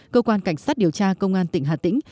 cơ quan cảnh sát điều tra công an tỉnh hà tĩnh